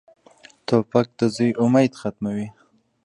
توپک د زوی امید ختموي.